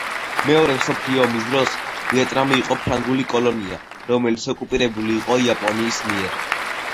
მეორე მსოფლიო ომის დროს ვიეტნამი იყო ფრანგული კოლონია, რომელიც ოკუპირებული იყო იაპონიის მიერ.